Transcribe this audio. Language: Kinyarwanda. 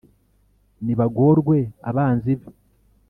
nibagorwe abanzi be